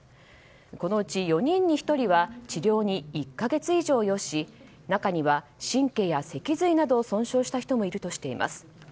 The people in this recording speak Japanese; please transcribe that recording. このうち４人に１人は治療に１か月以上要し中には神経や脊髄などを損傷した人もいるとしています。